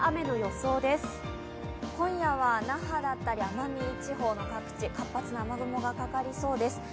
今夜は那覇だったり奄美地方の各地、活発な雨雲がかかりそうです。